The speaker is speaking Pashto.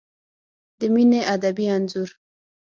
د مینې ادبي انځور